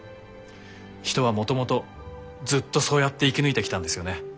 人はもともとずっとそうやって生き抜いてきたんですよね。